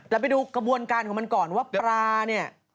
ไปดูกระบวนการของมันก่อนว่าปลาเนี่ย